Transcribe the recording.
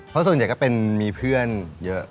เพราะส่วนใหญ่ก็เป็นมีเพื่อนเยอะ